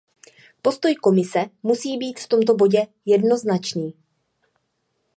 Postoj Komise musí být v tomto bodě jednoznačný.